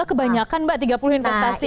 kebanyakan mbak tiga puluh investasi